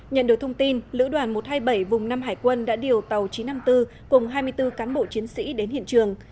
nhận được thông tin lữ đoàn một trăm hai mươi bảy vùng năm hải quân đã điều tàu chín trăm năm mươi bốn cùng hai mươi bốn cán bộ chiến sĩ đến hiện trường